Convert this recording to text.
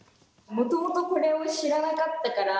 もともとこれを知らなかったから。